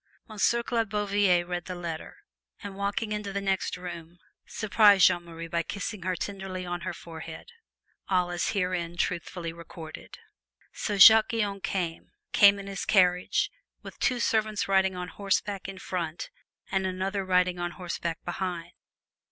Monsieur Claude Bouvier read the letter, and walking into the next room, surprised Jeanne Marie by kissing her tenderly on her forehead all as herein truthfully recorded. So Jacques Guyon came, came in his carriage, with two servants riding on horseback in front and another riding on horseback behind.